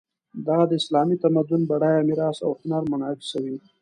دا د اسلامي تمدن بډایه میراث او هنر منعکسوي.